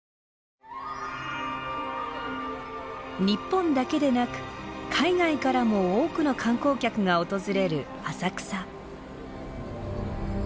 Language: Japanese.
日本だけでなく海外からも多くの観光客が訪れる浅草。